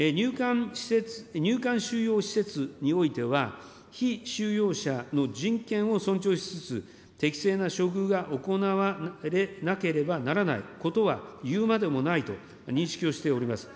入管収容施設においては、被収容者の人権を尊重しつつ、適正な処遇が行われなければならないことは、いうまでもないと認識をしております。